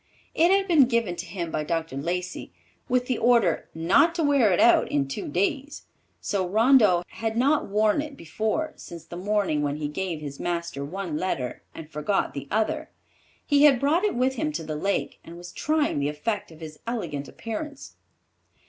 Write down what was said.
It had been given to him by Dr. Lacey, with the order "not to wear it out in two days"; so Rondeau had not worn it before since the morning when he gave his master one letter and forgot the other. He had brought it with him to the lake, and was trying the effect of his elegant appearance.